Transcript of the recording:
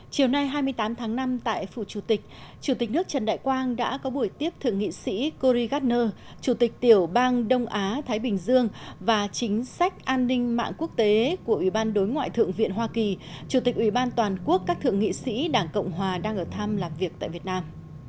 chiều nay hai mươi tám tháng năm tại phủ chủ tịch chủ tịch nước trần đại quang đã có buổi tiếp thượng nghị sĩ corey gardner chủ tịch tiểu bang đông á thái bình dương và chính sách an ninh mạng quốc tế của ủy ban đối ngoại thượng viện hoa kỳ chủ tịch ủy ban toàn quốc các thượng nghị sĩ đảng cộng hòa đang ở thăm làm việc tại việt nam